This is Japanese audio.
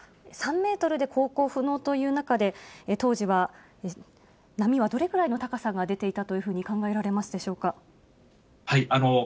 ３メートルで航行不能という中で、当時は波はどれぐらいの高さが出ていたというふうに考えられますでしょうか。